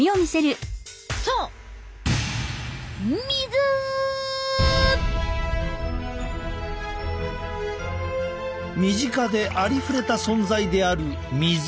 そう身近でありふれた存在である水。